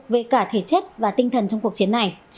về cả thể chất và tinh thần trong cuộc chiến này